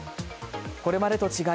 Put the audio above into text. これまでと違い